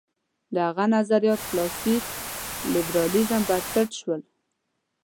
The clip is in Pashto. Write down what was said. د هغه نظریات کلاسیک لېبرالېزم بنسټ شول.